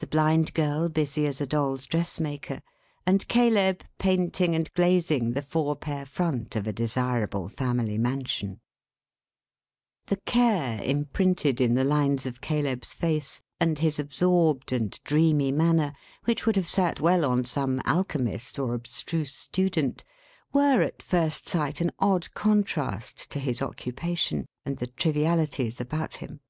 The Blind Girl busy as a Doll's dressmaker; and Caleb painting and glazing the four pair front of a desirable family mansion. The care imprinted in the lines of Caleb's face, and his absorbed and dreamy manner, which would have sat well on some alchemist or abstruse student, were at first sight an odd contrast to his occupation, and the trivialities about him.